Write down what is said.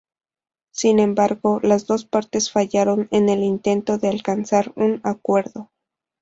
Sin embargo, las dos partes fallaron en el intento de alcanzar un acuerdo.